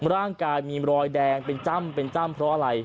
ร่างกายมีรอยแดงเป็นจ้ำเป็นจ้ำเพราะอะไร